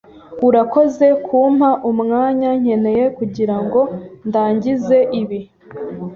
Urakoze kumpa umwanya nkeneye kugirango ndangize ibi.